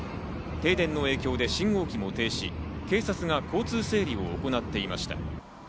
停電の影響で信号機も停止、警察が交通整理を行っていました。